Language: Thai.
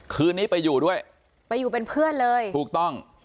คืนนี้ไปอยู่ด้วยไปอยู่เป็นเพื่อนเลยถูกต้อง